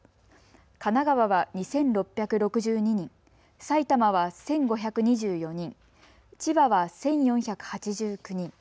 神奈川は２６６２人、埼玉は１５２４人、千葉は１４８９人。